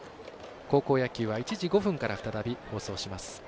高校野球は１時５分から再び放送します。